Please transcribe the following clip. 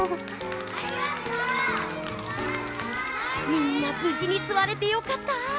みんなぶじにすわれてよかった！